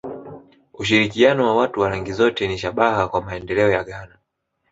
Ushirikiano wa watu wa rangi zote ni shabaha kwa maendeleo ya Ghana